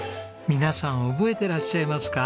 皆さん覚えてらっしゃいますか？